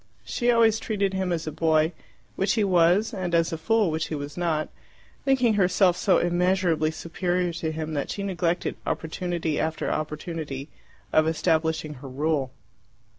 She always treated him as a boy, which he was, and as a fool, which he was not, thinking herself so immeasurably superior to him that she neglected opportunity after opportunity of establishing her rule.